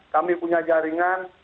kami punya jaringan